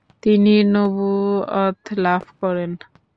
তিনি নবুয়ত লাভ করেন।